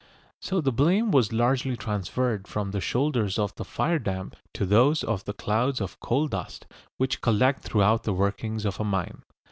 So the blame was largely transferred from the shoulders of the fire damp to those of the clouds of coal dust which collect throughout the workings of a mine.